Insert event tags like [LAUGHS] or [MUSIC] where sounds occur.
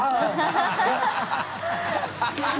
ハハハ [LAUGHS]